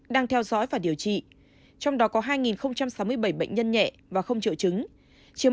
đang theo dõi và điều trị trong đó có hai sáu mươi bảy bệnh nhân nhẹ và không triệu chứng chiếm bảy mươi tám tám